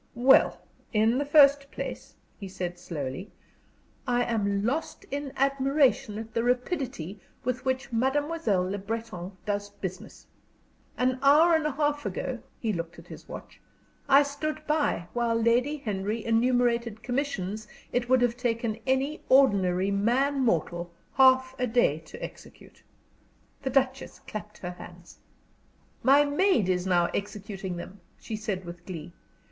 "Well, in the first place," he said, slowly, "I am lost in admiration at the rapidity with which Mademoiselle Le Breton does business. An hour and a half ago" he looked at his watch "I stood by while Lady Henry enumerated commissions it would have taken any ordinary man mortal half a day to execute." The Duchess clapped her hands. "My maid is now executing them," she said, with glee.